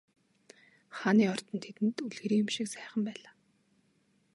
Хааны ордон тэдэнд үлгэрийн юм шиг сайхан байлаа.